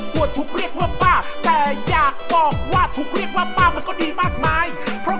กรูผู้สืบสารล้านนารุ่นแรกแรกรุ่นเลยนะครับผม